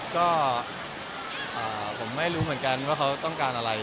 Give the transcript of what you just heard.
ก็ผมไม่รู้เหมือนกันว่าเขาต้องการอะไร